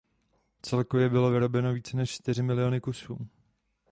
Celkově bylo vyrobeno více než čtyři miliony kusů.